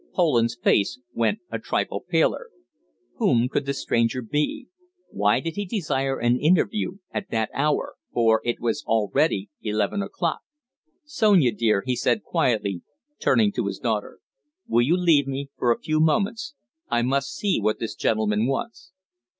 Poland's face went a trifle paler. Whom could the stranger be? Why did he desire an interview at that hour? for it was already eleven o'clock. "Sonia dear," he said quietly, turning to his daughter, "will you leave me for a few moments? I must see what this gentleman wants."